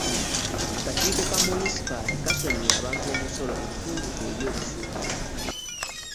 Akakiiko ka munisipaali kasonyiye abantu omusolo ekitumbude ebyobusuubuzi.